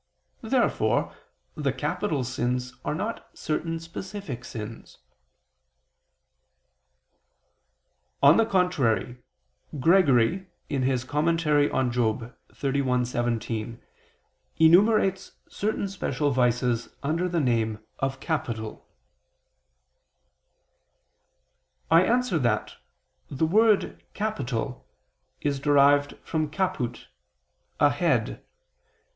Therefore the capital sins are not certain specific sins. On the contrary, Gregory (Moral. xxxi, 17) enumerates certain special vices under the name of capital. I answer that, The word capital is derived from caput (a head).